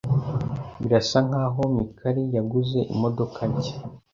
Birasa nkaho Mikali yaguze imodoka nshya.